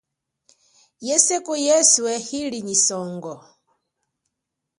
Yeseko yeswe ili nyi songo.